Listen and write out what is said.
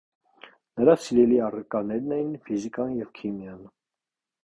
Նրա սիրելի առարկաներն էին ֆիզիկան և քիմիան։